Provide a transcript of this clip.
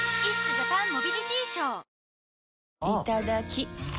いただきっ！